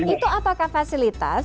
itu apakah fasilitas